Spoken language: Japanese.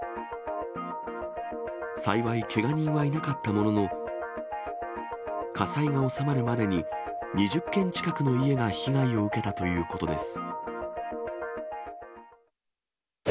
幸い、けが人はいなかったものの、火災が収まるまでに２０軒近くの家が被害を受けたということです。